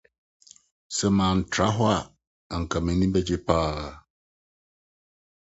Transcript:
Sɛ mantra hɔ a, anka m'ani begye paa.